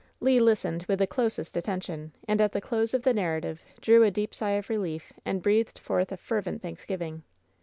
Le listened with the closest attention, and at the close of the narrative drew a deep sigh of relief and breathed forth a fervent thanksgiving.